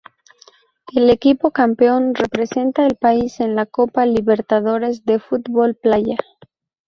El equipo campeón representa al país en la Copa Libertadores de fútbol playa.